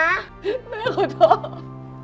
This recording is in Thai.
แม่ขอโทษ